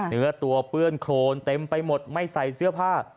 เนื้อตัวเปื้อนโครนเต็มไปหมดไม่ใส่เสื้อผ้า